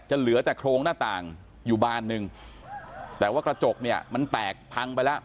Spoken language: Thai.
เหลือแต่โครงหน้าต่างอยู่บานหนึ่งแต่ว่ากระจกเนี่ยมันแตกพังไปแล้ว